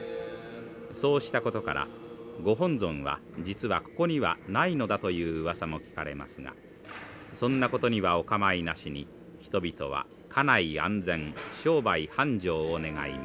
そうしたことからご本尊は実はここにはないのだといううわさも聞かれますがそんなことにはお構いなしに人々は家内安全商売繁盛を願います。